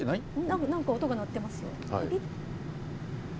なんか音が鳴ってますよ。